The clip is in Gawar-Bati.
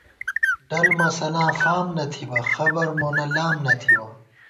ڈل مسَلاں فام نہ تھِبہ ، خبر مونہ لام نہ تھِبہ